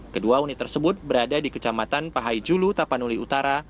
kedua unit tersebut berada di kecamatan pahai julu tapanuli utara